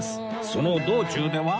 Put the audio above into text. その道中では